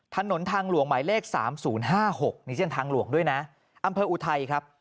ถนนทางหลวงหมายเลข๓๐๕๖นี่เส้นทางหลวงด้วยนะอำเภออุทัยครับ